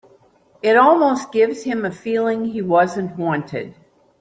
It almost gives him a feeling he wasn't wanted.